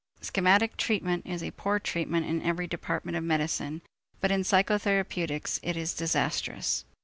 Schematic treatment is a poor treatment in every department of medicine, but in psychotherapeutics it is disastrous.